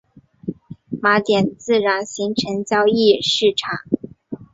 马甸自然形成交易市场。